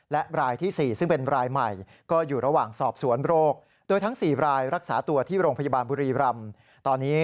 และรายที่๔ซึ่งเป็นรายใหม่ก็อยู่ระหว่างสอบสวนโรคโดยทั้ง๔รายรักษาตัวที่โรงพยาบาลบุรีรำตอนนี้